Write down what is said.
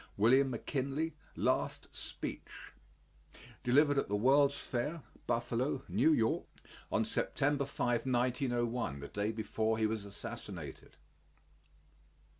WILLIAM McKINLEY LAST SPEECH Delivered at the World's Fair, Buffalo, N.Y., on September 5, 1901, the day before he was assassinated.